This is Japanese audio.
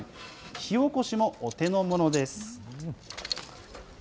火おこしもお手の物です。